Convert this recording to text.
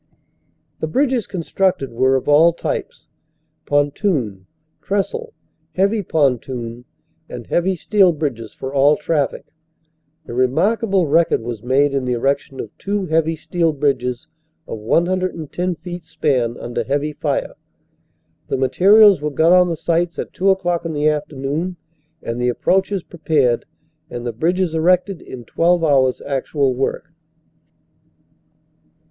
The bridges constructed were of all types ; pontoon, trestle, heavy pontoon and heavy steel bridges for all traffic. A re markable record was made in the erection of two heavy steel bridges of 1 10 feet span under heavy fire. The materials were got on the sites at two o clock in the afternoon, and the ap proaches prepared and the bridges erected in 12 hours actual work.